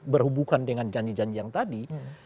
berhubungan dengan janji janji yang tadi